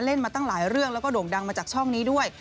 มาตั้งหลายเรื่องแล้วก็โด่งดังมาจากช่องนี้ด้วย